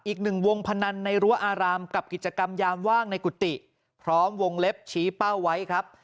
อีกหนึ่งวงพนันในรั้วอารามกับกิจกรรมยามว่างในกุฏิพร้อมวงเล็บชี้เป้าไว้ครับ